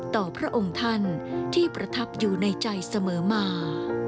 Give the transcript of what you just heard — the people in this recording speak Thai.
พระองค์ท่านที่ประทับอยู่ในใจเสมอมา